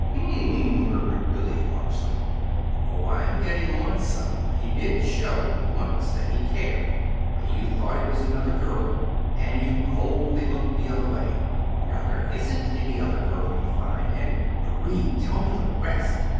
"Hm m," murmured Billy, archly. "Oh, I'm getting on some! He did show, once, that he cared; but you thought it was another girl, and you coldly looked the other way. Now, there ISN'T any other girl, you find, and Marie, tell me the rest!"